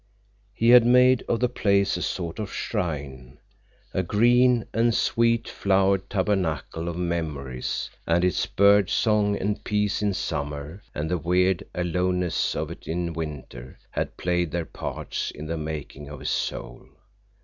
He had made of the place a sort of shrine, a green and sweet flowered tabernacle of memories, and its bird song and peace in summer and the weird aloneness of it in winter had played their parts in the making of his soul.